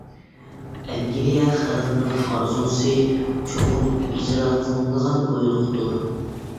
ئەنگلىيە خەلقىنىڭ ئارزۇسى چوقۇم ئىجرا قىلىنىدىغان بۇيرۇقتۇر.